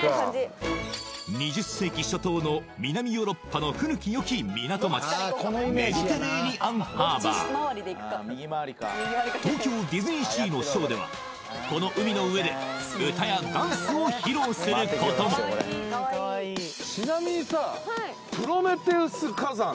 ２０世紀初頭の南ヨーロッパの古き良き港町メディテレーニアンハーバー東京ディズニーシーのショーではこの海の上で歌やダンスを披露することもちなみにさプロメテウス火山